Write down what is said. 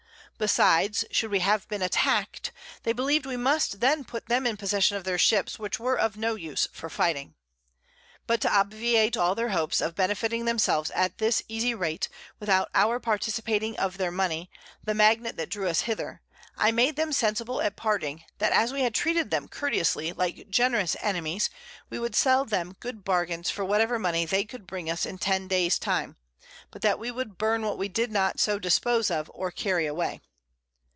Besides, should we have been attack'd, they believ'd we must then put them in possession of their Ships, which were of no use for fighting. But to obviate all their Hopes of benefiting themselves at this easy Rate, without our participating of their Money, the Magnet that drew us hither, I made them sensible at parting, that as we had treated them courteously like generous Enemies, we would sell them good Bargains for whatever Money they could bring us in 10 Days time, but that we would burn what we did not so dispose of or carry away.